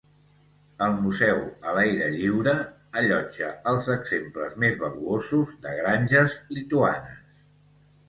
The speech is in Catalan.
El museu a l'aire lliure allotja els exemples més valuosos de granges lituanes.